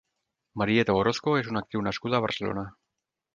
Marieta Orozco és una actriu nascuda a Barcelona.